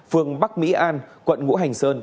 phường bắc mỹ an quận ngũ hành sơn